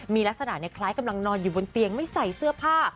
มีลักษณะคล้ายกำลังนอนอยู่บนเตียงไม่ใส่เสื้อผ้า